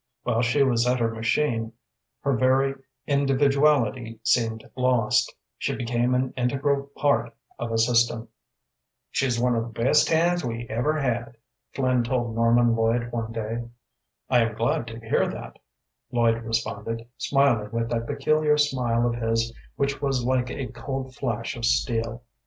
While she was at her machine, her very individuality seemed lost; she became an integral part of a system. "She's one of the best hands we ever had," Flynn told Norman Lloyd one day. "I am glad to hear that," Lloyd responded, smiling with that peculiar smile of his which was like a cold flash of steel.